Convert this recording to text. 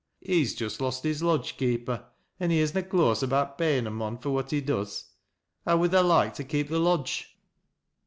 He's jest lost his lodge keeper an' he is na close about payin' a mon fur what he does. How would tlia loike to keep the lodge